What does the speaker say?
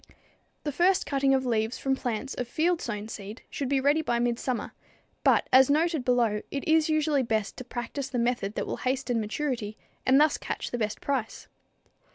The first cutting of leaves from plants of field sown seed should be ready by midsummer, but as noted below it is usually best to practice the method that will hasten maturity and thus catch the best price.